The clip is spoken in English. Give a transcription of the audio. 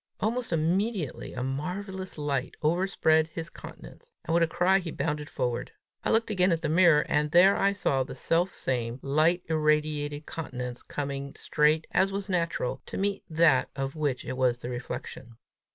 Almost immediately a marvellous light overspread his countenance, and with a cry he bounded forward. I looked again at the mirror, and there I saw the self same light irradiated countenance coming straight, as was natural, to meet that of which it was the reflection.